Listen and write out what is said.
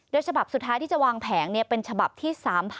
โดยฉบับสุดท้ายที่จะวางแผงเป็นฉบับที่๓๐